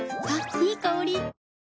いい香り。